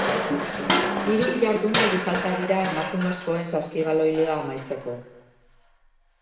Hiru jardunaldi falta dira emakumezkoen saskibaloi liga amaitzeko.